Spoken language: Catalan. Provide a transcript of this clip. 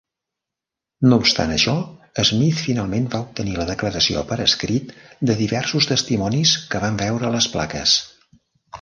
No obstant això, Smith finalment va obtenir la declaració per escrit de diversos testimonis que van veure les plaques.